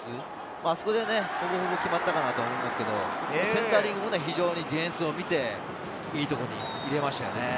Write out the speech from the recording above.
あそこでほぼほぼ決まったかなと思うんですけれど、センタリングもディフェンスを見て、いいところに入れましたね。